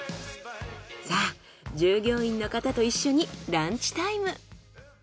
さあ従業員の方と一緒にランチタイム。